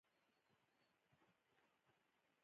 پکتیکا د افغانستان د ځمکې د جوړښت نښه ده.